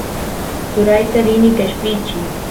turayta rini qeshpichiy